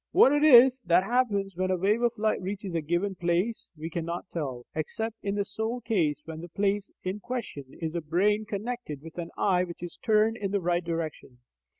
What it is that happens when a wave of light reaches a given place we cannot tell, except in the sole case when the place in question is a brain connected with an eye which is turned in the right direction.